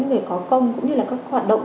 người có công cũng như là các hoạt động